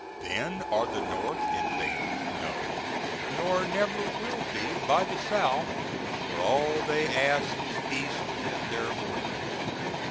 Then are the North invaded? No, nor never will be, by the South, for all they ask is peace within their borders.